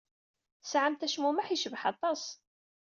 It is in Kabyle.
Tesɛamt acmumeḥ yecbeḥ aṭas.